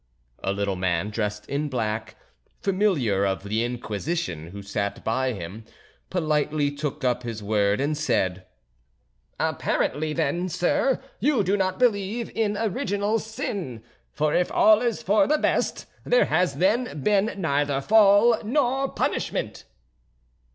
A little man dressed in black, Familiar of the Inquisition, who sat by him, politely took up his word and said: "Apparently, then, sir, you do not believe in original sin; for if all is for the best there has then been neither Fall nor punishment."